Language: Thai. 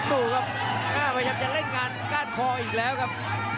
ดูครับน่าไปยังจะเล่นการกล้านคออีกแล้วครับ